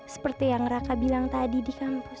seperti yang raka bilang tadi di kampus